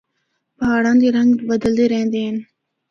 پہاڑاں دے رنگ بدلدے رہندے ہن۔